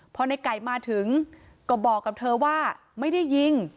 พอในไก่มาถึงก็บอกกับเธอว่าไม่ได้ยิง